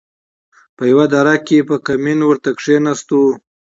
په يوه دره کښې په کمين ورته کښېناستو.